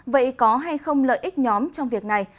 vậy có hay không lợi ích nhóm trong việc này